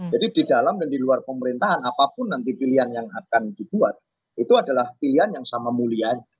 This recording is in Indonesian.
jadi di dalam dan di luar pemerintahan apapun nanti pilihan yang akan dibuat itu adalah pilihan yang sama mulia